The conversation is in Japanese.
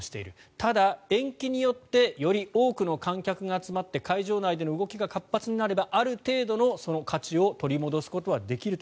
ただ、延期によってより多くの観客が集まって会場内での動きが活発になればある程度のその価値を取り戻すことはできると。